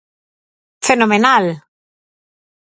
Fenomenal.